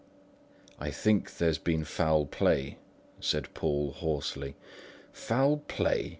"I think there's been foul play," said Poole, hoarsely. "Foul play!"